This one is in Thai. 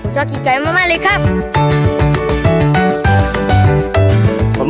ชอบกินไก่มากเลยครับ